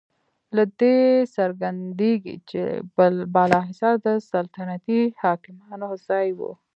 له دې څرګندیږي چې بالاحصار د سلطنتي حاکمانو ځای و.